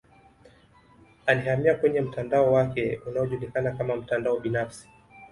Alihamia kwenye mtandao wake unaojulikana kama mtandao binafsi